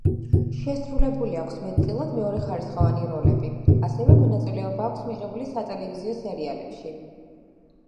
შესრულებული აქვს მეტწილად მეორეხარისხოვანი როლები, ასევე მონაწილეობა აქვს მიღებული სატელევიზიო სერიალებში.